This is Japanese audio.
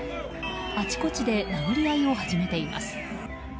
あちこちで殴り合いを始めています。